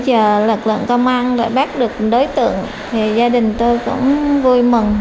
giờ lực lượng công an đã bắt được đối tượng thì gia đình tôi cũng vui mừng